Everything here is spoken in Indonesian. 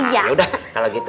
yaudah kalau gitu